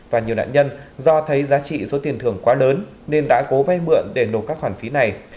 và nhiều nạn nhân do thấy giá trị số tiền thưởng quá lớn nên đã cố vay mượn để nộp các khoản phí này